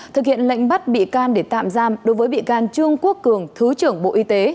thực hiện lệnh bắt bị can để tạm giam đối với bị can trương quốc cường thứ trưởng bộ y tế